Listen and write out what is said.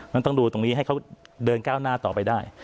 มันต้องดูตรงนี้ให้เขาเดินก้าวหน้าต่อไปได้